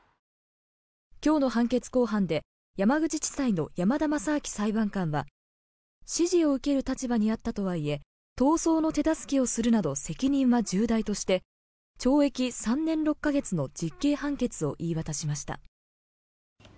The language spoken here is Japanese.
今日の判決公判で山口地裁の山田雅秋裁判官は指示を受ける立場にあったとはいえ逃走の手助けをするなど責任は重大として懲役３年６か月の実刑判決を言い渡しました。